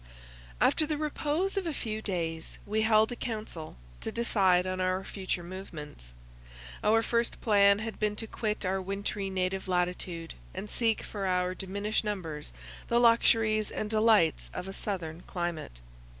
After the repose of a few days, we held a council, to decide on our future movements. Our first plan had been to quit our wintry native latitude, and seek for our diminished numbers the luxuries and delights of a southern climate.